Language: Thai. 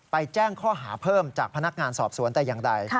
แจ้งข้อหาเพิ่มจากพนักงานสอบสวนแต่อย่างใด